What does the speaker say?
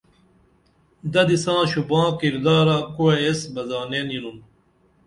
ددی ساں شوباں کردارہ کُوعہ ایس بہ زانین یینُن